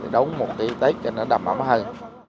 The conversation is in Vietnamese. đấu một cái tết cho nó đậm ấm hơn